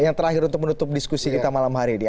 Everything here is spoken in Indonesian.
yang terakhir untuk menutup diskusi kita malam hari ini